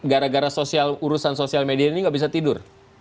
gara gara urusan sosial media ini nggak bisa tidur